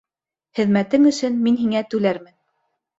Хеҙмәтең өсөн мин һиңә түләрмен.